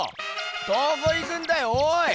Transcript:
どこ行くんだよおい！